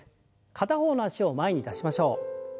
片方の脚を前に出しましょう。